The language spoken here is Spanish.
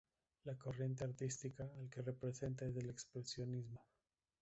La corriente artística al que representa es el expresionismo.